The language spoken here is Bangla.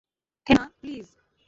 থেনা, প্লিজ।